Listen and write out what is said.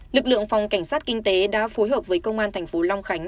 lực lượng phòng cảnh sát kinh tế đã phối hợp với công an thành phố long khánh